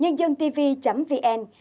nhân dân tv vn